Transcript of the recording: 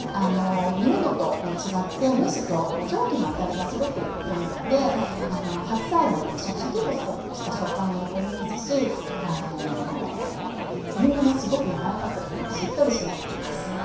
煮るのと違って蒸すと蒸気のあたりがすごくいいので白菜のシャキシャキとした食感も残りますし鶏むね肉がすごくやわらかくしっとり仕上がります。